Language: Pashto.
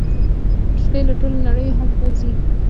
کښتۍ له ټولې نړۍ هلته راځي.